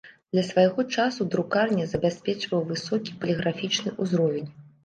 Для свайго часу друкарня забяспечвала высокі паліграфічны ўзровень.